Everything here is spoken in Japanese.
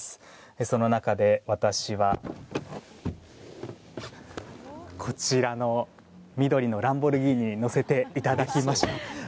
その中で、私はこちらの緑のランボルギーニに乗せていただきました。